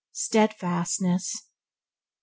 Steadfastness 3.